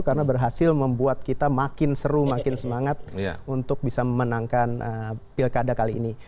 karena berhasil membuat kita makin seru makin semangat untuk bisa memenangkan pilkada kali ini